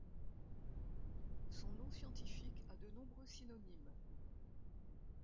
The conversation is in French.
Son nom scientifique a de nombreux synomymes.